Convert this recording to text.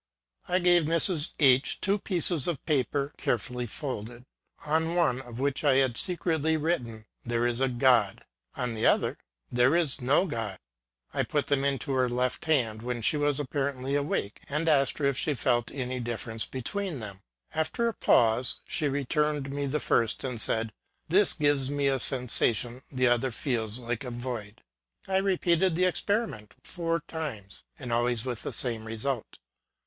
I gave Mrs. H two pieces of paper, carefully folded : on one of which I had secretly written, ^^ There is a God;" on the other, " There is no God." I put them into her left hand, when she was apparently awake, and asked her if she felt any difference be Ō¢Ā 76 THE SEERESS OF PREVORST. tween them. After a pause, she returned me the first, and said, " This gives me a sensation, the other feels like a void." I repeated the experiment four times, and always with the same result.